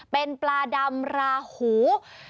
เป็นปลาดำราหู